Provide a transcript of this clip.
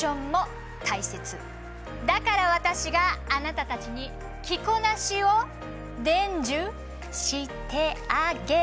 だから私があなたたちに着こなしを伝授してあげる。